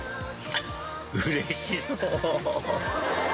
うれしそう。